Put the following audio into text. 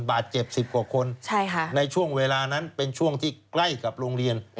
บาดเจ็บ๑๐กว่าคนในช่วงเวลานั้นเป็นช่วงที่ใกล้กับโรงเรียน